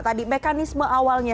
tadi mekanisme awalnya